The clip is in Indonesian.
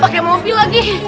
pakai mobil lagi